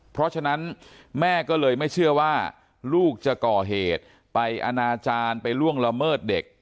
เพราะฉะนั้นแม่ก็เลยไม่เชื่อว่าลูกจะก่อเหตุไปอนาจารย์ไปล่วงละเมิดเด็ก